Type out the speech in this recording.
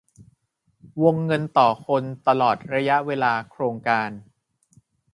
วงเงินต่อคนตลอดระยะโครงการ